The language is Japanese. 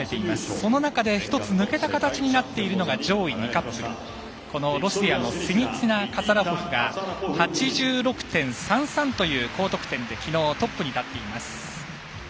その中で１つ抜けた形になっているのが上位２カップルシニツィナ、カツァラポフが８６．３３という高得点できのう、トップに立っています。